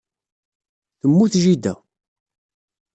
Temmut jida.